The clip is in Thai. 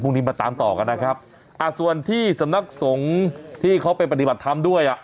พรุ่งนี้มันตามต่อกันส่วนที่สำนักสงฆ์ที่เขาไปปฏิบัติธรรมด้วย